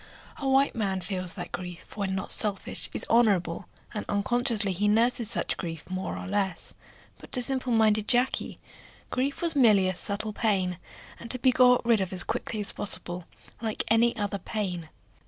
A white man feels that grief, when not selfish, is honorable, and unconsciously he nurses such grief more or less; but to simple minded Jacky grief was merely a subtle pain, and to be got rid of as quickly as possible, like any other pain.